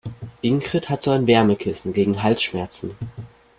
Ingrid hat so ein Wärmekissen gegen Halsschmerzen.